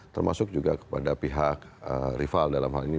termasuk juga kepada pihak rival dalam hal ini